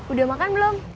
udah makan belum